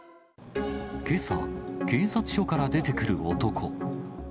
けさ、警察署から出てくる男。